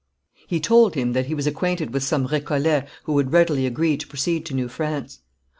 He told him that he was acquainted with some Récollets who would readily agree to proceed to New France.